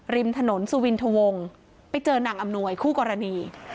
ริมถนนสุวินทวงไปเจอนางอำนวยคู่กรณี